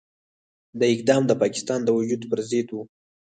دا اقدام د پاکستان د وجود پرضد وو.